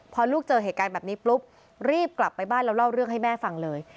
พอลูกเจอเหตุการณ์แบบนี้ปุ๊บรีบกลับไปบ้านแล้วเล่าเรื่องให้แม่ฟังเลย